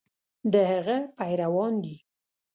د هغه پیروان دي.